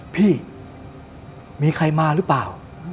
พี่มีใครมาหรือเปล่า